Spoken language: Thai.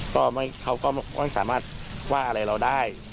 ก็เขาก็ไม่สามารถว่าอะไรเราได้